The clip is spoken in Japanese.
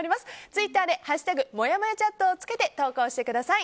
ツイッターで「＃もやもやチャット」をつけて投稿してください。